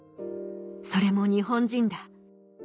「それも日本人だ」